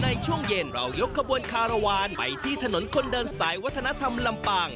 ในช่วงเย็นเรายกขบวนคารวาลไปที่ถนนคนเดินสายวัฒนธรรมลำปาง